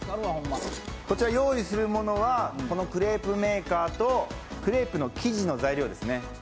こちら用意するものはクレープメーカーとクレープの生地の材料ですね。